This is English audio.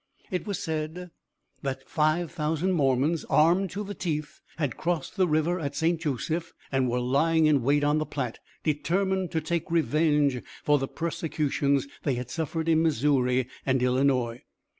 It was said that five thousand Mormons, armed to the teeth, had crossed the river at St. Joseph and were lying in wait on the Platte, determined to take revenge for the persecutions they had suffered in Missouri and Illinois.